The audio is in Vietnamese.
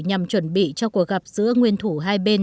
nhằm chuẩn bị cho cuộc gặp giữa nguyên thủ hai bên